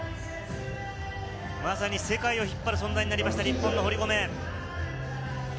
まさに世界を引っ張る存在になりました堀米。